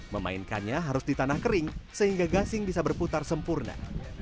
memainkannya harus di tanah kering sehingga gasing bisa berputar sempurna